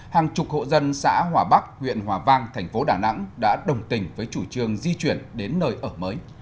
hàng chục hộ dân xã hòa bắc huyện hòa vang thành phố đà nẵng đã đồng tình với chủ trương di chuyển đến nơi ở mới